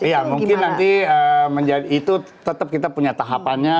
ya mungkin nanti itu tetap kita punya tahapannya